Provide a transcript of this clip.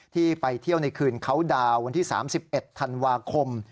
ที่ไปเที่ยวในคืนเขาดาวน์วันที่๓๑ธันวาคม